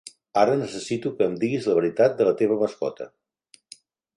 Ara necessito que em diguis la veritat de la teva mascota.